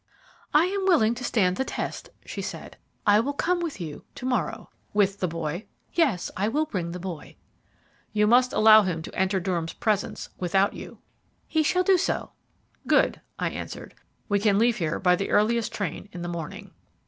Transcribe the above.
"I am willing to stand the test," she said. "I will come with you to morrow." "With the boy?" "Yes, I will bring the boy." "You must allow him to enter Durham's presence without you." "He shall do so." "Good," I answered. "We can leave here by the earliest train in the morning."